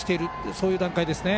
そういう段階ですね。